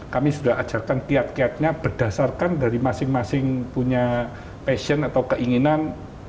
kami sudah ajarkan kiat kiatnya berdasarkan dari masing masing punya passion atau keinginan